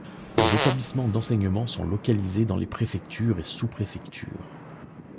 Les établissements d’enseignement sont localisés dans les préfectures et sous-préfectures.